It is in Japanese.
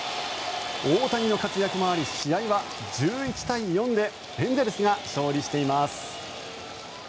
大谷の活躍もあり試合は１１対４でエンゼルスが勝利しています。